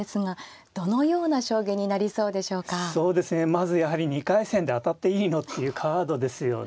まずやはり「２回戦で当たっていいの？」っていうカードですよね。